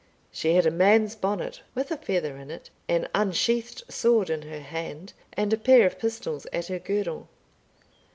She had a man's bonnet, with a feather in it, an unsheathed sword in her hand, and a pair of pistols at her girdle.